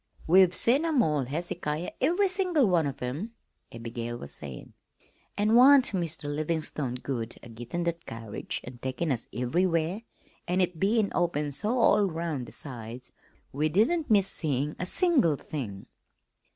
"We've seen 'em all, Hezekiah, ev'ry single one of 'em," Abigail was saying. "An' wan't Mr. Livingstone good, a gittin' that carriage an' takin' us ev'rywhere; an' it bein' open so all 'round the sides, we didn't miss seein' a single thing!"